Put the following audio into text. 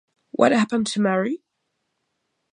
What Happened to Mary?